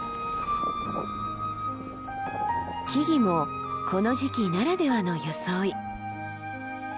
木々もこの時期ならではの装い。